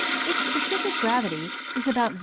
Its specific gravity is about 0.